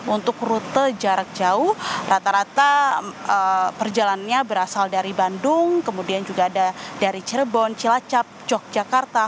untuk rute jarak jauh rata rata perjalannya berasal dari bandung kemudian juga ada dari cirebon cilacap yogyakarta